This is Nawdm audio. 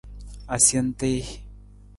Asentii.